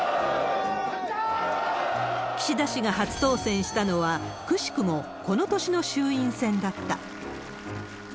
岸田氏が初当選したのは、くしくもこの年の衆院選だった。